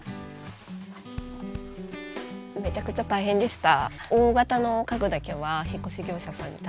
めちゃくちゃ大変でした。